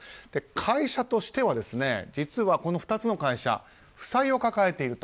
会社としてはこの２つの会社負債を抱えていると。